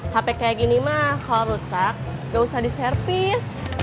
hp kayak gini mah kalau rusak gak usah di servis